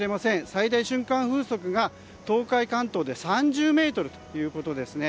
最大瞬間風速が東海・関東で３０メートルということですね。